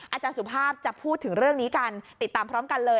อาจารย์สุภาพจะพูดถึงเรื่องนี้กันติดตามพร้อมกันเลย